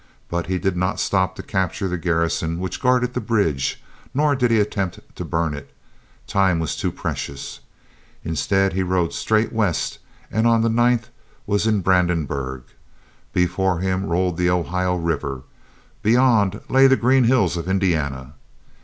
But he did not stop to capture the garrison which guarded the bridge, nor did he attempt to burn it; time was too precious. Instead, he rode straight west, and on the 9th was in Brandenburg. Before him rolled the Ohio River, beyond lay the green hills of Indiana.